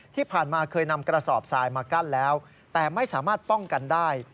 ที่ผ่านมาเคยนำกระสอบทรายมากั้นแล้วแต่ไม่สามารถป้องกันได้